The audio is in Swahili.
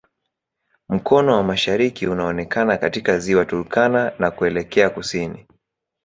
Mkono wa mashariki unaonekana katika Ziwa Turkana na kuelekea kusini.